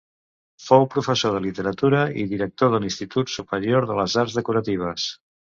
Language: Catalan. Fou professor de literatura i director de l'Institut Superior de les Arts Decoratives.